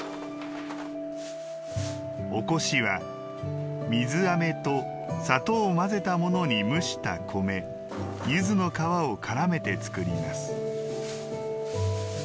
おこしは、水あめと砂糖を混ぜたものに蒸した米柚子の皮をからめて作ります。